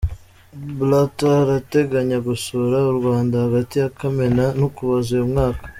Blatter arateganya gusura u Rwanda hagati ya Kamena n’Ukuboza uyu mwaka.